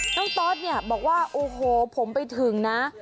ตอสเนี่ยบอกว่าโอ้โหผมไปถึงนะ